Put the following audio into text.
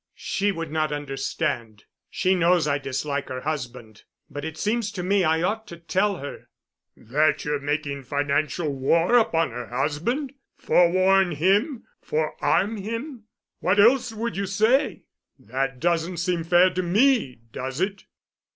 "She would not understand—she knows I dislike her husband, but it seems to me I ought to tell her——" "That you're making financial war upon her husband? Forewarn him—forearm him? What else would you say. That doesn't seem fair to me, does it?"